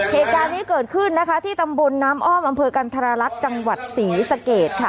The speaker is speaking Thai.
เหตุการณ์นี้เกิดขึ้นนะคะที่ตำบลน้ำอ้อมอำเภอกันธรรลักษณ์จังหวัดศรีสะเกดค่ะ